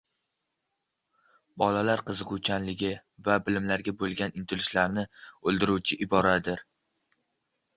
Bolalar qiziquvchanligi va bilimlarga bo‘lgan intilishlarini o‘ldiruvchi iboradir.